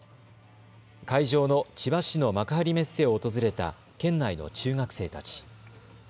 会場の千葉市の幕張メッセを訪れた県内の中学生たち。